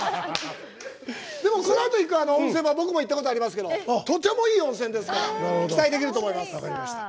でも、このあと行く温泉は僕も行ったことありますけどとてもいい温泉ですから期待できると思います。